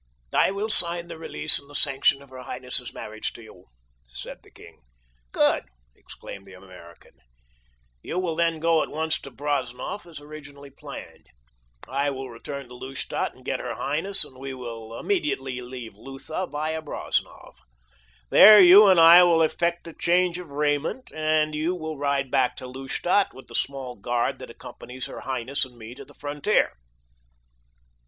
"I will sign the release and the sanction of her highness' marriage to you," said the king. "Good!" exclaimed the American. "You will then go at once to Brosnov as originally planned. I will return to Lustadt and get her highness, and we will immediately leave Lutha via Brosnov. There you and I will effect a change of raiment, and you will ride back to Lustadt with the small guard that accompanies her highness and me to the frontier."